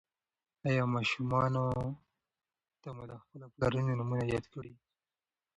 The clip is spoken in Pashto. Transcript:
ایا ماشومانو ته مو د خپلو پلرونو نومونه یاد کړي؟